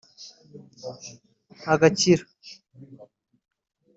agakira